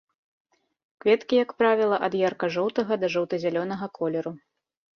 Кветкі, як правіла, ад ярка-жоўтага да жоўта-зялёнага колеру.